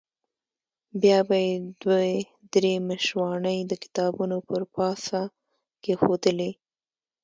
بیا به یې دوې درې مشواڼۍ د کتابونو پر پاسه کېښودلې.